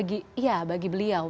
iya bagi beliau